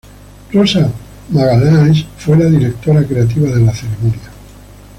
Rosa Magalhães fue la directora creativa de la ceremonia.